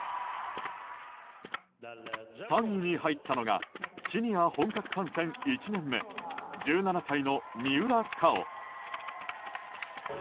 ３位に入ったのがシニア本格参戦１年目１７歳の三浦佳生。